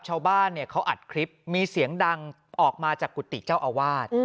ชาวบ้านเนี่ยเขาอัดคลิปมีเสียงดังออกมาจากกุฏิเจ้าอาวาส